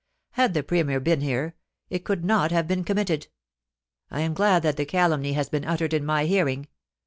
Had the Premier been here, it could not have been committed. I am glad that the calumny has been uttered in my hearing.